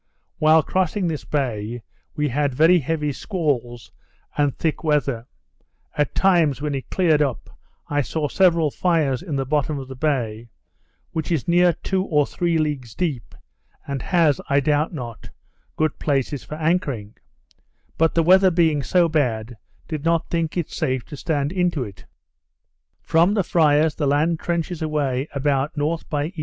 While crossing this bay we had very heavy squalls and thick weather; at times, when it cleared up, I saw several fires in the bottom of the bay, which is near two or three leagues deep, and has, I doubt not, good places for anchoring, but the weather being so bad, did not think it safe to stand into it. From the Friars the land trenches away about N. by E.